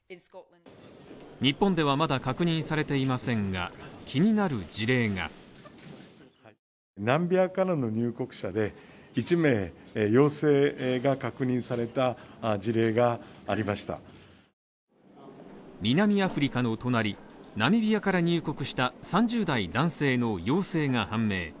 日本ではまだ確認されていませんが、気になる事例が南アフリカの隣ナミビアから入国した３０代男性の陽性が判明。